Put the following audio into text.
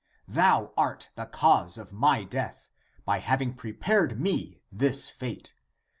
Thou art the cause of my death, by having prepared for me this fate.